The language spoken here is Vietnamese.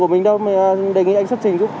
nhưng không hề có giấy tờ tùy thân